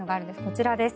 こちらです。